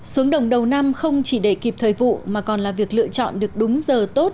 xuống đồng đầu năm không chỉ để kịp thời vụ mà còn là việc lựa chọn được đúng giờ tốt